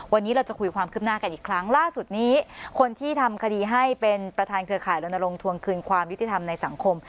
วันนี้เราจะคุยความคืบหน้ากันอีกครั้งล่าสุดนี้คนที่ทำคดีให้เป็นประธานเครือข่ายรณรงควงคืนความยุติธรรมในสังคม